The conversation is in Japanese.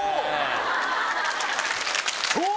そう！